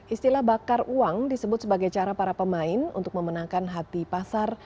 istilah bakar uang disebut sebagai cara para pemain untuk memenangkan hati pasar